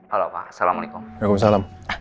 halo pak assalamualaikum